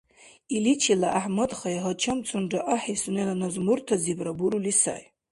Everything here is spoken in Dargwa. Иличила ГӀяхӀмадхай гьачамцунра ахӀи сунела назмуртазибра бурули сай.